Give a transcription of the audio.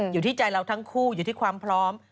อยู่ที่ใจเราทั้งคู่อยู่ที่ความพร้อม